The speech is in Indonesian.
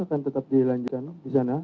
akan tetap dilanjutkan di sana